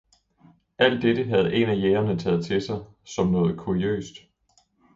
Alt dette havde en af jægerne taget til sig, som noget kuriøst.